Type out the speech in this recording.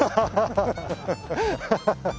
ハハハハッ。